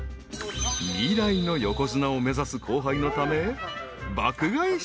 ［未来の横綱を目指す後輩のため］